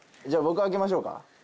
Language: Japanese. じゃあ僕開けましょうか？